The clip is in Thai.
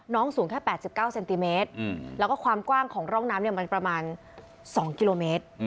สูงแค่๘๙เซนติเมตรแล้วก็ความกว้างของร่องน้ำมันประมาณ๒กิโลเมตร